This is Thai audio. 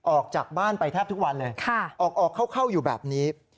ออกจากบ้านไปแทบทุกวันเลยออกเข้าอยู่แบบนี้